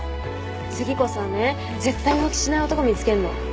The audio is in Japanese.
次こそはね絶対浮気しない男見つけんの。